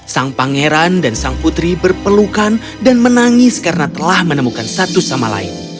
sang pangeran dan sang putri berpelukan dan menangis karena telah menemukan musik itu